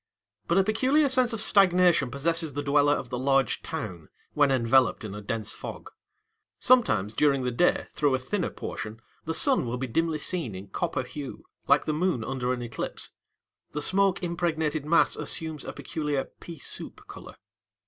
But a peculiar sense of stagnation possesses the dweller of the large town, when enveloped in a dense fog. Sometimes during the day, through a thinner portion, the sun will be dimly seen in copper hue, like the moon under an eclipse. The smoke impregnated mass assumes a peculiar "pea soup" colour.